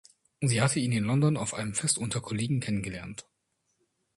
Sie hatte ihn in London auf einem Fest unter Kollegen kennengelernt.